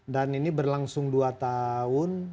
dan ini berlangsung dua tahun